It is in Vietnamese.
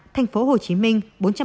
thành phố hồ chí minh năm trăm chín mươi